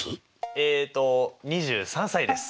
えっと２３歳です。